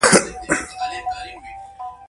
جوجو وویل مرگونه عادي دي.